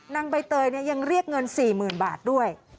นางใบเตยยังเรียกเงินสี่หมื่นบาทด้วย